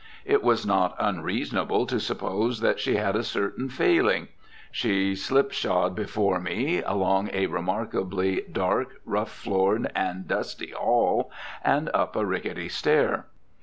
It was not unreasonable to suppose that she had a certain failing. She slip slod before me along a remarkably dark, rough floored and dusty hall, and up a rickety stair.